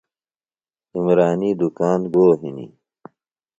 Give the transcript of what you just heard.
عمرانی دُکان گو ہِنیۡ ؟